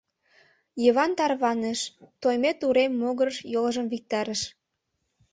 Йыван тарваныш, Тоймет урем могырыш йолжым виктарыш.